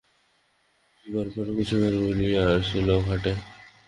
রোদ উঠিবার পর কুসুমের ভুলি আসিল ঘাটে।